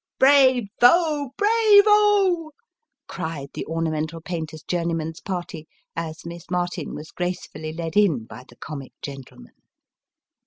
" Brayvo ! Brayvo !" cried the ornamental painter's journey man's party, as Miss Martin was gracefully led in by the comic gentleman.